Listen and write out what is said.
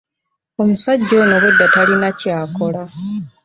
Omusajja ono obwedda talina ky'akola.